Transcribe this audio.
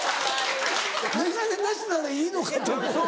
メガネなしならいいのか？と思うよね。